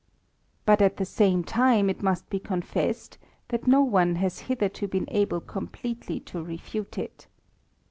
But at the same time it must be confessed, that no one has hitherto been able completely to refute it.